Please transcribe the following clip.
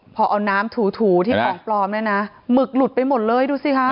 พอเอาน้ำมีที่ของจริงมึกลุกเลย